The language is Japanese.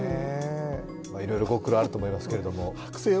いろいろご苦労あると思いますけれども。